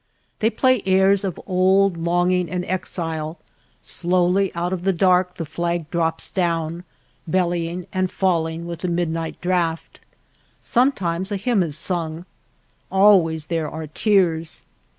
They play airs of old longing and exile ; slowly out of the dark the flag drops down, bellying and falling with the midnight draught. Some times a hymn is sung, always there are tears.